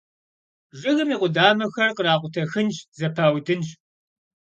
Jjıgım yi khudamexer khrakhutexınş, zepaudınş.